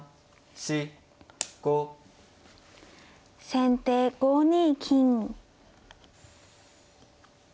先手５二金。